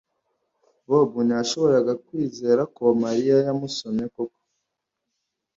Bobo ntiyashoboraga kwizera ko Mariya yamusomye koko